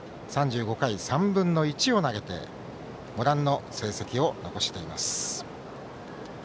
３５回３分の１を投げてご覧の成績を残しています。